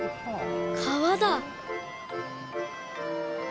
川だ。